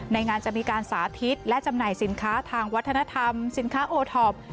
ในงานจะมีการสาธิตและจำหน่ายสินค้าทางวัฒนธรรมสินค้าโอท็อป